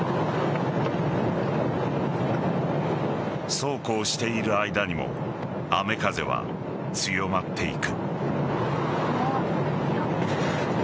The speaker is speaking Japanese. そうこうしている間にも雨風は強まっていく。